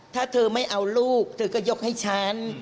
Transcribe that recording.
ถ้าเธอไม่เอาลูกเธอก็ยกให้ฉัน